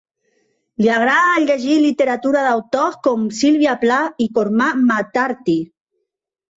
Li agrada llegir literatura d'autors com Sylvia Plath i Cormac McCarthy.